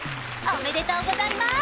おめでとうございます！